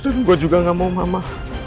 dan gua juga ga mau mama